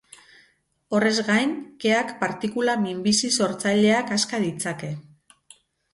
Horrez gain, keak partikula minbizi-sortzaileak aska ditzake.